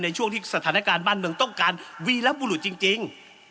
ในช่วงที่สถานการณ์บ้านบนต้องการวีลับวุหลุจจริง